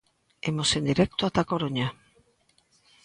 Imos en directo ata A Coruña.